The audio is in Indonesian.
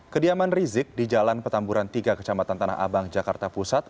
kediaman rizik di jalan petamburan tiga kecamatan tanah abang jakarta pusat